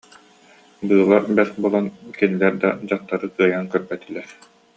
Быыла бэрт буолан, кинилэр да дьахтары кыайан көрбөтүлэр